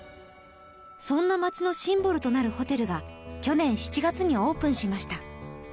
そんな町のシンボルとなるホテルが去年７月にオープンしました